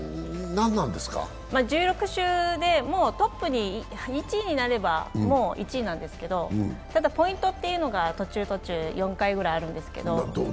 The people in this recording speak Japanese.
１６周で１位になれば、もう１位なんですけど、ただポイントというのが途中途中４回ぐらいあるんですけど。